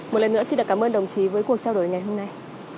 một lần nữa xin được cảm ơn đồng chí với cuộc trao đổi ngày hôm nay